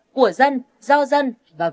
của dân do dân